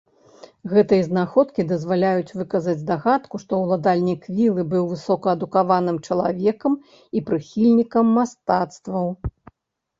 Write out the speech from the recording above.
Гэтыя знаходкі дазваляюць выказаць здагадку, што ўладальнік вілы быў высокаадукаваным чалавекам і прыхільнікам мастацтваў.